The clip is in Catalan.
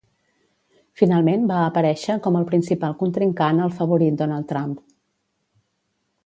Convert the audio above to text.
Finalment va aparèixer com el principal contrincant al favorit Donald Trump.